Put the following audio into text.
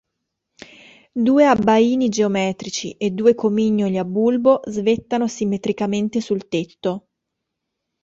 Due abbaini geometrici e due comignoli a bulbo svettano simmetricamente sul tetto.